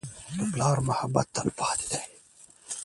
د پلار محبت تلپاتې دی.